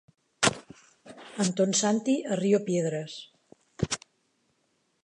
Antonsanti a Rio Piedras.